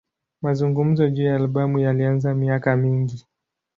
Mazungumzo juu ya albamu yalianza miaka mingi.